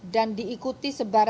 darianot daya bass